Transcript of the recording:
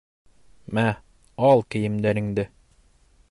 Мә, ал кейемдәреңде!